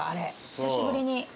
久しぶりに。